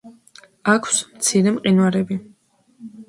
აქვს მცირე მყინვარები.